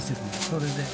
それで。